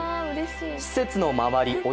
施設の周り